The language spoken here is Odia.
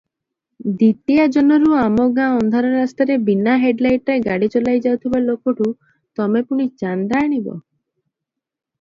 ଦ୍ଵିତୀୟା ଜହ୍ନରୁ ଆମ ଗାଁ ଅନ୍ଧାର ରାସ୍ତାରେ ବିନା ହେଡଲାଇଟରେ ଗାଡ଼ି ଚଲାଇ ଯାଉଥିବା ଲୋକଠୁ ତମେ ପୁଣି ଚାନ୍ଦା ଆଣିବ?